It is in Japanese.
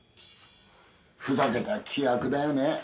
ふざけた規約だよね。